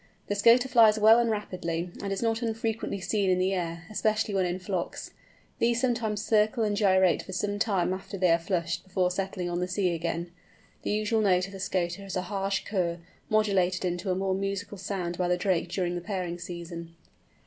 The Scoter flies well and rapidly, and is not unfrequently seen in the air, especially when in flocks. These sometimes circle and gyrate for some time after they are flushed before settling on the sea again. The usual note of the Scoter is a harsh kurr, modulated into a more musical sound by the drake during the pairing season.